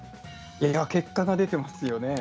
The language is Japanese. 結果が出ていますよね。